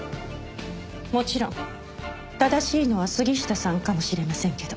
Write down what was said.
もちろん正しいのは杉下さんかもしれませんけど。